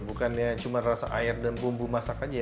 bukannya cuma rasa air dan bumbu masak aja ya